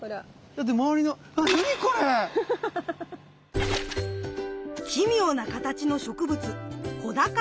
だって周りのあなにこれ⁉奇妙な形の植物コダカラベンケイ。